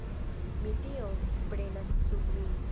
Mi tion prenas sur min.